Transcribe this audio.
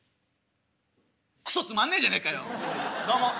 クソつまんねえじゃねえかよもういいよ。